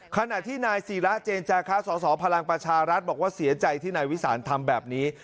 ขณะที่นายศิระเจนจาคะสสพลังประชารัฐบอกว่าเสียใจที่นายวิสานทำแบบนี้